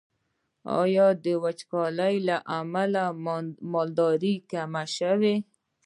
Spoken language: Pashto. آیا د وچکالۍ له امله مالداري کمه شوې؟